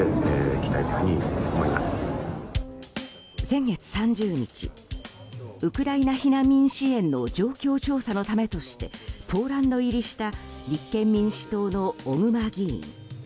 先月３０日ウクライナ避難民支援の状況調査のためとしてポーランド入りした立憲民主党の小熊議員。